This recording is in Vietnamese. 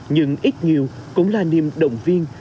nhưng ít nhiều cũng là niềm đồng viên